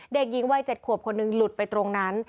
เด็กหญิงวัย๗ขวบคนหนึ่งหลุดไปตรงนั้น